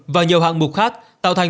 và nhiều hạng mục khác tạo thành